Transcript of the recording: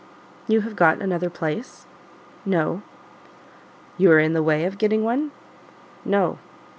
"You have got another place?" "No." "You are in the way of getting one?" "No."